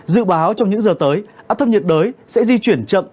dự báo trong những giờ tới áp thấp nhiệt đới sẽ di chuyển chậm